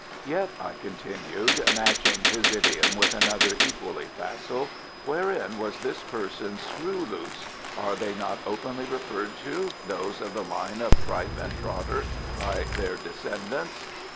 "Yet," I continued, matching his idiom with another equally facile, "wherein was this person's screw loose? Are they not openly referred to those of the Line of Tripe and Trotter by their descendants?"